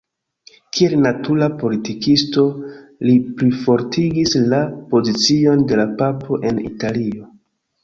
Kiel natura politikisto, li plifortigis la pozicion de la papo en Italio.